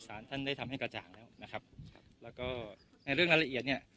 สารท่านได้ทำให้กระจ่างแล้วนะครับครับแล้วก็ในเรื่องรายละเอียดเนี่ย